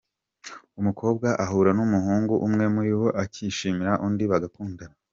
Umukobwa ahura n’umuhungu umwe muri bo akishimira undi bagakundana.